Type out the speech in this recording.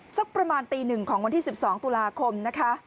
สักประมาณตี๑ของวันที่๑๒ตุลาคมนะคะ